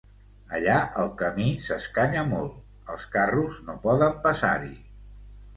Allà el camí s'escanya molt: els carros no poden passar-hi.